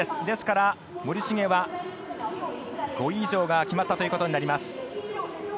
ですから、森重は５位以上が決まったということになります。